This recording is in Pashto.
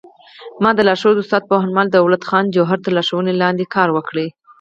ما د لارښود استاد پوهنمل دولت خان جوهر تر لارښوونې لاندې کار وکړ